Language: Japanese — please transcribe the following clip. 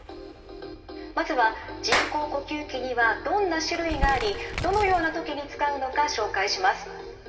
まずは人工呼吸器にはどんな種類がありどのような時に使うのか紹介します。